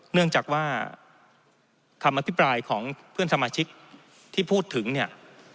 เนื่องจากว่าคำอภิปรายของเพื่อนสมาชิกที่พูดถึงเนี่ย